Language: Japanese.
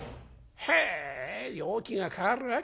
へえ陽気が変わるわけだ。